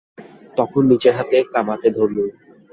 তখন নিজের হাতে কামাতে ধরলুম।